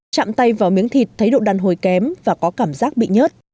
chạm tay vào miếng thịt thấy độ đàn hồi kém và có cảm giác bị nhớt